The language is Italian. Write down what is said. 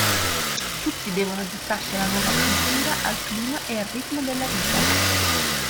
Tutti devono adattarsi alla nuova cultura, al clima e al ritmo della vita.